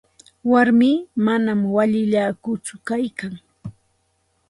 Warmii manam allillakutsu kaykan.